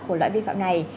của loại vi phạm này